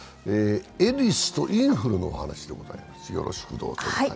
エリスとインフルのお話でございます。